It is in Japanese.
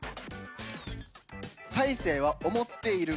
「大晴は思っている」。